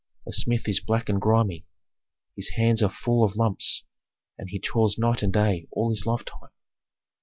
A smith is black and grimy, his hands are full of lumps, and he toils night and day all his lifetime.